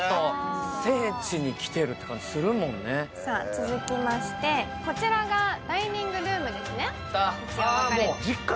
続きまして、こちらがダイニングルームですね。